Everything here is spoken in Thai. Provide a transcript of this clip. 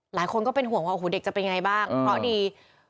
หลายคนก็เป็นห่วงว่าโอ้โหเด็กจะเป็นยังไงบ้างเพราะดี